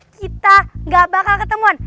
kita gak bakal ketemuan